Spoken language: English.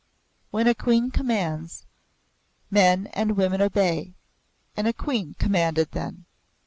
When a Queen commands, men and women obey, and a Queen commanded then.